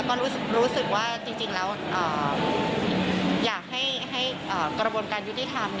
ก็รู้สึกว่าจริงแล้วอยากให้กระบวนการยุติธรรม